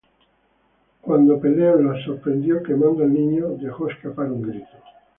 Cuando Peleo la sorprendió quemando al niño, dejó escapar un grito.